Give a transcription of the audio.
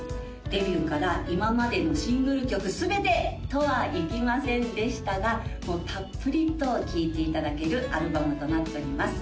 デビューから今までのシングル曲全て！とはいきませんでしたがたっぷりと聴いていただけるアルバムとなっております